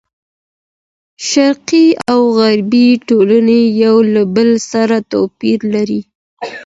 شرقي او غربي ټولنې یو له بل سره توپیر لري.